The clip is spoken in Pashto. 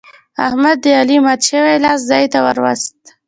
احمد د علي مات شوی لاس ځای ته ور ووست.